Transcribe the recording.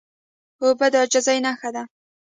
اوبه د عاجزۍ نښه ده.